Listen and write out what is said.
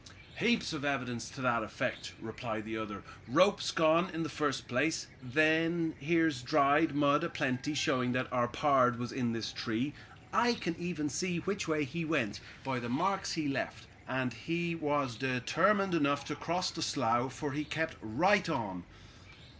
"Heaps of evidence to that effect," replied the other. "Rope's gone, in the first place. Then here's dried mud a plenty, showing that our pard was in this tree. I can even see which way he went, by the marks he left; and he was determined enough to cross the slough, for he kept right on."